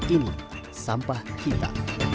ini sampah kita